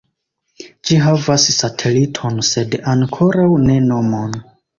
Ĝi havas sateliton sed ankoraŭ ne nomon.